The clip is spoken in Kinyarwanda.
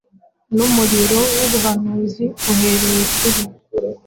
Numuriro wubuhanuzi Uhereye kuri